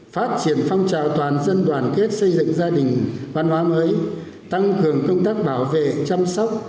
phát triển phong trào toàn dân đoàn kết xây dựng gia đình văn hóa mới tăng cường công tác bảo vệ chăm sóc